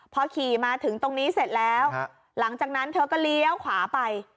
พอขี่มาถึงตรงนี้เสร็จแล้วหลังจากนั้นเธอก็เลี้ยวขวาไป